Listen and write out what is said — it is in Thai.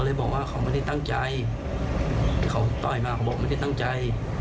เลยบอกว่าเขาไม่ได้ตั้งใจเขาต่อยมาเขาบอกไม่ได้ตั้งใจ